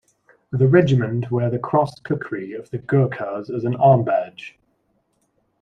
The regiment wear the crossed kukri of the Gurkhas as an arm badge.